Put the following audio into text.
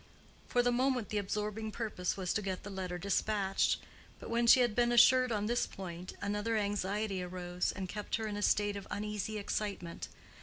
For the moment, the absorbing purpose was to get the letter dispatched; but when she had been assured on this point, another anxiety arose and kept her in a state of uneasy excitement.